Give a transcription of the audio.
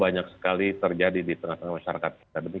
banyak sekali terjadi di tengah tengah masyarakat